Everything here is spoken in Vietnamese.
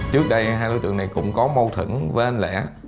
trước đây hai đối tượng này cũng có mâu thửng với anh lẽ